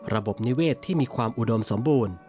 ระบบนิเวศที่มีความอุดมสมบูรณ์